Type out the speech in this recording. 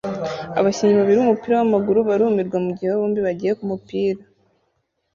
Abakinnyi babiri b'umupira w'amaguru barumirwa mugihe bombi bagiye kumupira